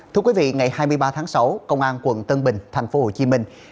thưa quý vị ngày hai mươi ba tháng sáu công an quận tân bình thành phố hồ chí minh